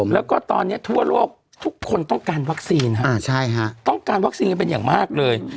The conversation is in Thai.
แล้วก็ตอนนี้ทั่วโลกทุกคนต้องการวัคซีนต้องการวัคซีนกันเป็นอย่างมากเลย